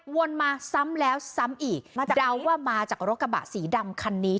วนมาซ้ำแล้วซ้ำอีกเดาว่ามาจากรถกระบะสีดำคันนี้